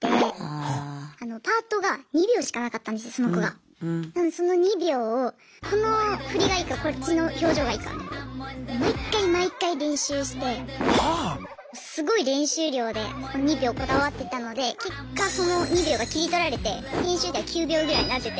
なのにその２秒をこの振りがいいかこっちの表情がいいか毎回毎回練習してすごい練習量でその２秒こだわってたので結果その２秒が切り取られて編集では９秒ぐらいになってて。